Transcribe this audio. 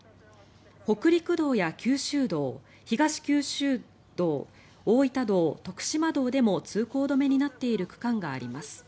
北陸道や九州道、東九州道大分道、徳島道でも通行止めになっている区間があります。